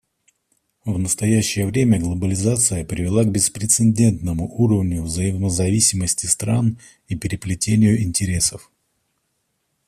В настоящее время глобализация привела к беспрецедентному уровню взаимозависимости стран и переплетению интересов.